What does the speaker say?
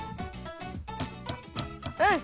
うん。